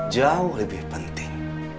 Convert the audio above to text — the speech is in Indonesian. jauh lebih penting